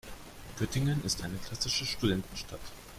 Göttingen ist eine klassische Studentenstadt.